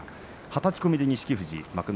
はたき込みで錦富士。